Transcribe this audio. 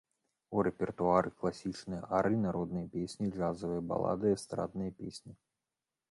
У рэпертуары класічныя арыі, народныя песні, джазавыя балады, эстрадныя песні.